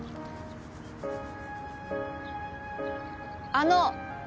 あの！